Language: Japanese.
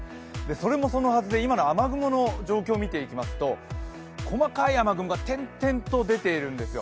それもそのはずで今の雨雲の状況を見ていきますと細かい雨雲が点々と出ているんですよ。